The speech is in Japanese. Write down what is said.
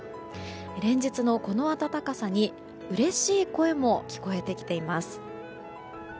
連日のこの暖かさにうれしい声も聞こえてきています。